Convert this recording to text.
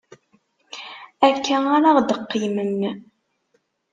Akka ara ɣ-deqqimen.